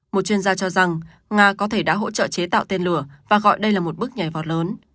một chuyên gia cho rằng nga có thể đã hỗ trợ chế tạo tên lửa và gọi đây là một bước nhảy vọt lớn